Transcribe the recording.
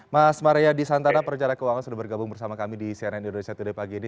mas mariadi santana perencana keuangan sudah bergabung bersama kami di cnn indonesia today pagi ini